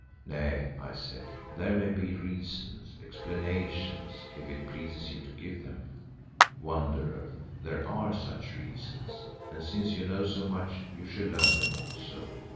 "Nay," I said, "there may be reasons, explanations, if it pleases you to give them." "Wanderer, there are such reasons; and since you know so much, you shall learn them also.